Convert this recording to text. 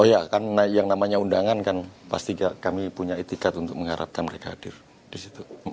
oh ya kan yang namanya undangan kan pasti kami punya etikat untuk mengharapkan mereka hadir di situ